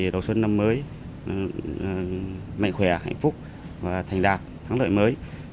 đầu xuân năm mới mạnh khỏe hạnh phúc và thành đạt thắng lợi mới